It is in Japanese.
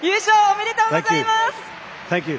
おめでとうございます！